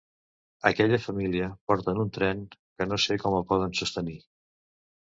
Aquella família porten un tren, que no sé com el poden sostenir.